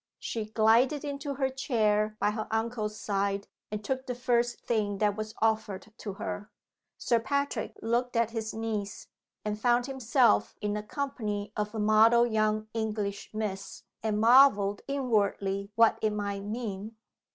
She glided into her chair by her uncle's side, and took the first thing that was offered to her. Sir Patrick looked at his niece, and found himself in the company of a model young English Miss and marveled inwardly what it might mean.